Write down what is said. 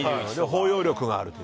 包容力があると。